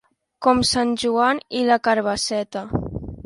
Com sant Joan i la carabasseta.